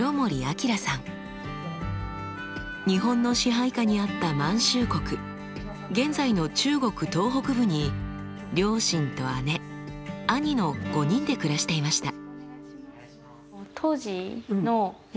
日本の支配下にあった満州国現在の中国東北部に両親と姉兄の５人で暮らしていました。